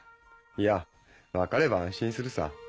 いや分かれば安心するさ。